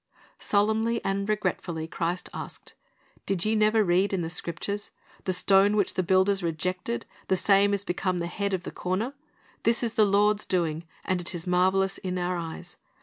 Solemnly and regretfully Christ asked, "Did ye never read in the Scriptures, The stone which the builders rejected, the same is become the head of the corner; this is the Lord's doing, and it is marvelous in our eyes